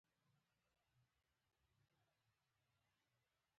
د حاصل د زیاتوالي لپاره د کروندګرو روزنه حیاتي ده.